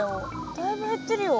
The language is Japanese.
だいぶ減ってるよ。